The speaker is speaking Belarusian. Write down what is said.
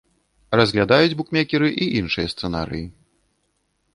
Разглядаюць букмекеры і іншыя сцэнарыі.